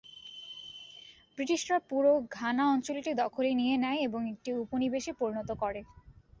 ব্রিটিশরা পুরো ঘানা অঞ্চলটি দখলে নিয়ে নেয় এবং একটি উপনিবেশে পরিণত করে।